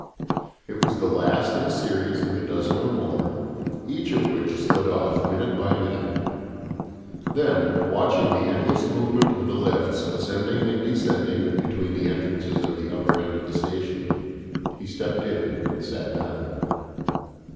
It was the last of a series of a dozen or more, each of which slid off minute by minute. Then, still watching the endless movement of the lifts ascending and descending between the entrances of the upper end of the station, he stepped in and sat down.